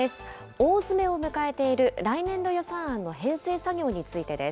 大詰めを迎えている来年度予算案の編成作業についてです。